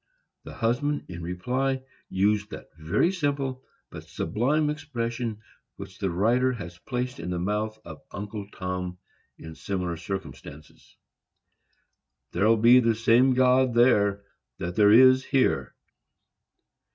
The husband, in reply, used that very simple but sublime expression which the writer has placed in the mouth of Uncle Tom, in similar circumstances: "_There'll be the same God there that there is here.